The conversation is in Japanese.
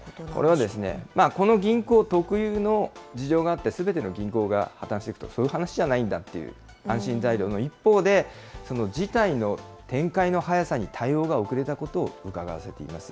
これは、この銀行特有の事情があって、すべての銀行が破綻していくと、そういう話じゃないんだと、安心材料の一方で、事態の展開の速さに対応が遅れたことをうかがわせています。